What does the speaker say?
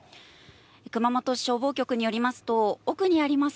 熊本市消防局によりますと、奥にあります